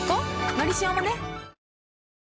「のりしお」もね